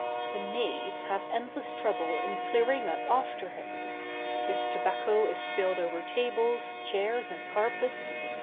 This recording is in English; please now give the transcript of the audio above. The maids have endless trouble in clearing up after him. His tobacco is spilled over tables, chairs, and carpets.